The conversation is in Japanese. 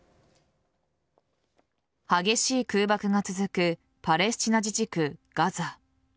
激しい空爆が続くパレスチナ自治区・ガザ。